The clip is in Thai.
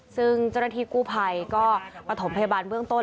ซึ่งเจ้าหน้าที่กู้ภัยก็ประถมพยาบาลเบื้องต้น